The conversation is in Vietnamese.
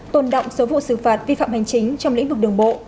tồn động số vụ xử phạt vi phạm hành chính trong lĩnh vực đường bộ